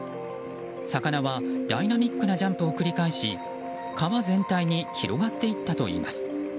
魚は、ダイナミックなジャンプを繰り返し川全体に広がっていったといいます。